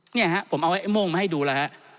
เนี่ยฮะผมเอาไอ้โม่งมาให้ดูแล้วฮะ